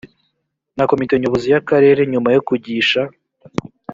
na komite nyobozi y akarere nyuma yo kugisha